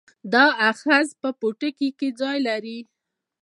دا آخذه په پوستکي کې ځای لري.